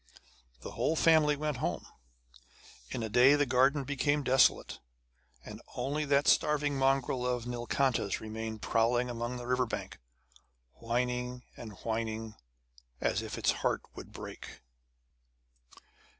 The whole family went home. In a day the garden became desolate. And only that starving mongrel of Nilkanta's remained prowling along the river bank, whining and whining as if its heart would break.